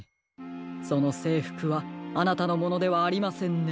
そのせいふくはあなたのものではありませんね？